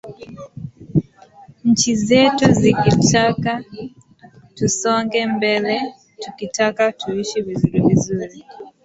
nchi zetu zikitaka tusonge mbele tukitaka tuishi vizuri vizuri